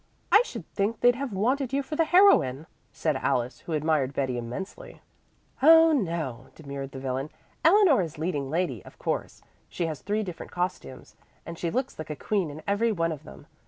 "I should think they'd have wanted you for the heroine," said Alice, who admired Betty immensely. "Oh, no," demurred the villain. "Eleanor is leading lady, of course. She has three different costumes, and she looks like a queen in every one of them.